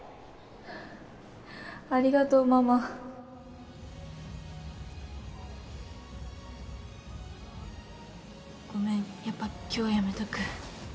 はぁありがとうママごめんやっぱ今日はやめとく。